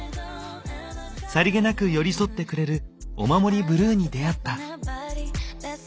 さりげなく寄り添ってくれるお守りブルーに出会った。